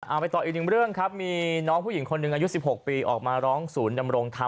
ไปต่ออีกหนึ่งเรื่องครับมีน้องผู้หญิงคนหนึ่งอายุ๑๖ปีออกมาร้องศูนย์ดำรงธรรม